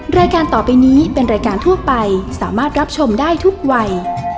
รายการต่อไปนี้เป็นรายการทั่วไปสามารถรับชมได้ทุกวัย